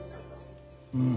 うん。